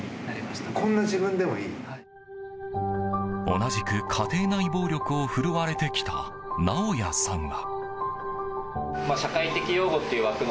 同じく家庭内暴力を振るわれてきた直也さんは。